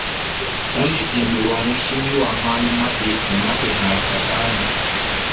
Mundidimbi wa mushimi wa malu mabi ne makenga a satana.